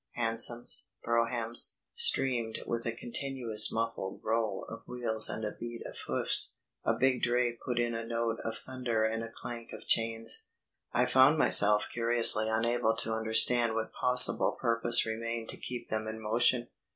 Hansoms, broughams, streamed with a continuous muffled roll of wheels and a beat of hoofs. A big dray put in a note of thunder and a clank of chains. I found myself curiously unable to understand what possible purpose remained to keep them in motion.